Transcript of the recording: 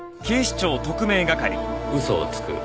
嘘をつく。